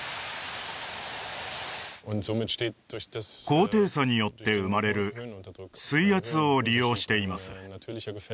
高低差によって生まれる水圧を利用しています